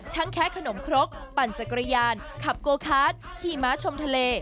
แค่ขนมครกปั่นจักรยานขับโกคาร์ดขี่ม้าชมทะเล